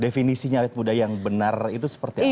gini awet muda yang benar itu seperti apa gitu